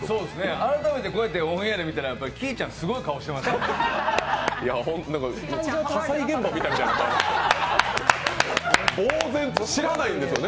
改めてこうやってオンエアみたら、きいちゃん、すごい顔してましたね